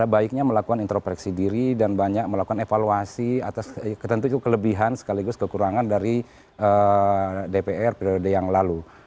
baiknya melakukan intropreksi diri dan banyak melakukan evaluasi atas ketentuan itu kelebihan sekaligus kekurangan dari dpr periode yang lalu